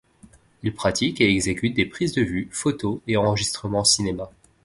Il pratique et exécute des prises de vues, photos et enregistrement cinéma.